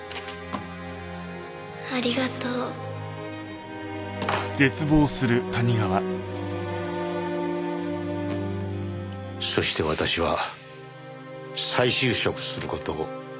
「ありがとう」そして私は再就職する事を決意しました。